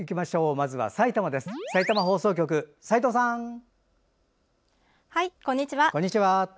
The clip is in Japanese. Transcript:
まずは埼玉こんにちは。